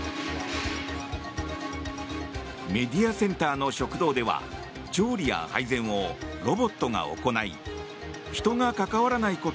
メディアセンターの食堂では調理や配膳をロボットが行い人が関わらない